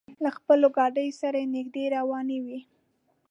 له خپلو ګاډیو سره نږدې روانې وې.